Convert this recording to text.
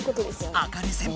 あかね先輩